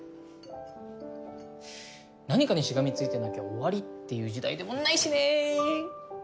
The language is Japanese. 何かにしがみついてなきゃ終わりっていう時代でもないしね。